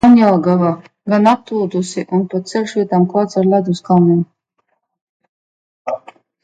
Jaunjelgava gan applūdusi, un pat ceļš vietām klāts ar ledus kalniem.